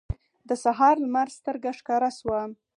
د سهار لمر سترګه ښکاره شوه.